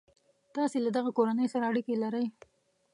تاسي له دغه کورنۍ سره اړیکي لرئ.